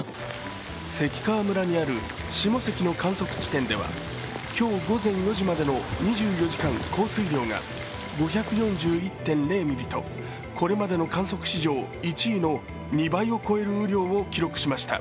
関川村にある下関の観測地点では今日午前４時までの２４時間降水量が５４１．０ミリとこれまでの観測史上１位の２倍を超える雨量を記録しました。